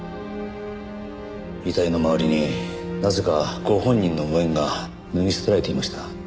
遺体の周りになぜかご本人の上着が脱ぎ捨てられていました。